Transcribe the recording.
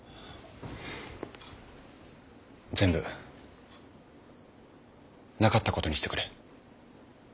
全部なかったことにしてくれ。